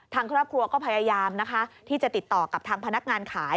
ทางครอบครัวก็พยายามนะคะที่จะติดต่อกับทางพนักงานขาย